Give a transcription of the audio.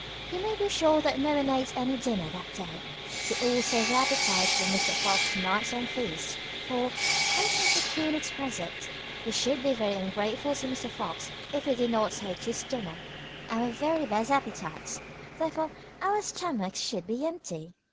You may be sure that no one ate any dinner that day. They all saved their appetites for Mr. Fox's night time feast, for, as Mr. Coon expressed it, "we should be very ungrateful to Mr. Fox if we did not take to his dinner our very best appetites; therefore our stomachs should be empty."